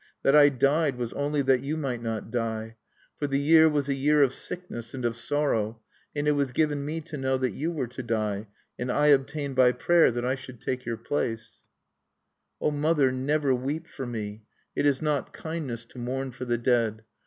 That I died was only that you might not die. For the year was a year of sickness and of sorrow, and it was given me to know that you were to die; and I obtained by prayer that I should take your place(2). "O mother, never weep for me! it is not kindness to mourn for the dead.